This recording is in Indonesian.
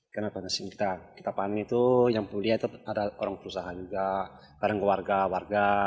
karena kita panen itu yang pulihnya ada orang perusahaan juga barang warga warga